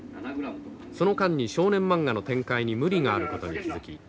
その間に少年マンガの展開に無理があることに気付き